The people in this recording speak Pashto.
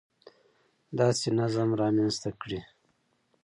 داسې نظم رامنځته کړي